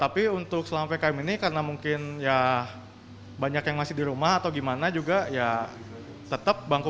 tapi untuk selama ppkm ini karena mungkin ya banyak yang masih di rumah atau gimana juga ya tetap bangku